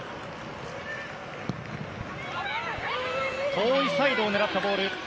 遠いサイドを狙ったボール。